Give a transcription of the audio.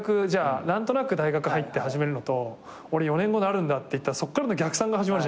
何となく大学入って始めるのと俺４年後なるんだっていったらそっからの逆算が始まるじゃん。